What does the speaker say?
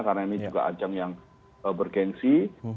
karena ini juga ajang yang bergensi